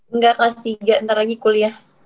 enggak kelas tiga ntar lagi kuliah